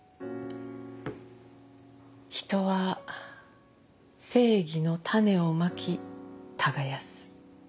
人は正義の種をまき耕す。